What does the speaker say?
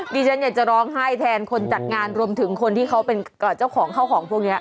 ดิฉันอยากจะร้องไห้แทนคนจัดงานรวมถึงคนที่เขาเป็นเจ้าของเข้าของพวกนี้